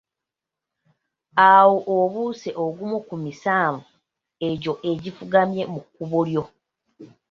Awo obuuse ogumu ku misanvu egyo egifungamye mu kkubo lyo.